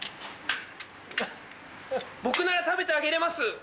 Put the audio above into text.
僕なら食べてあげれます！